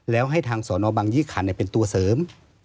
แล้วให้ทางสอนอบังยี่คันเป็นตัวเสริม